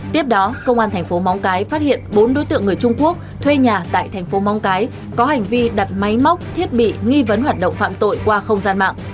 tiếp đó công an tp móng cái phát hiện bốn đối tượng người trung quốc thuê nhà tại tp móng cái có hành vi đặt máy móc thiết bị nghi vấn hoạt động phạm tội qua không gian mạng